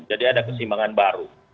jadi ada keseimbangan baru